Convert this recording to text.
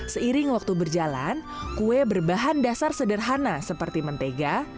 seiring waktu berjalan kue berbahan dasar sederhana seperti mentega